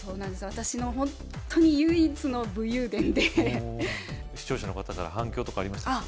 私のほんとに唯一の武勇伝で視聴者の方から反響とかありましたか？